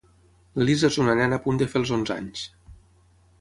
L'Elisa és una nena a punt de fer els onze anys.